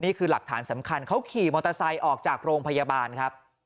นี่คือหลักฐานสำคัญเขาขี่มอเตอร์ไซค์ออกจากโรงพยาบาลครับ